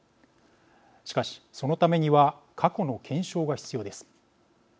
しかし、そのためには過去の検証が必要です。